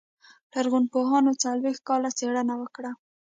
لرغونپوهانو څلوېښت کاله څېړنه وکړه.